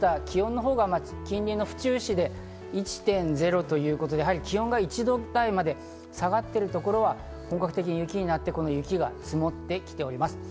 気温のほうが近隣の府中市で１．０度ということで気温が１度台まで下がっているところは本格的に雪になって、この雪が積もってきております。